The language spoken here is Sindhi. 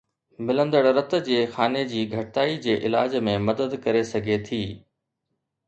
ملندڙ رت جي خاني جي گھٽتائي جي علاج ۾ مدد ڪري سگھي ٿي